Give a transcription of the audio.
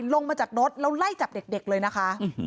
ลงมาจากรถแล้วไล่จับเด็กเลยนะคะ